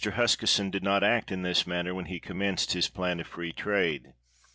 Huskisson did not act in this manner when he commenced his plan of free trade.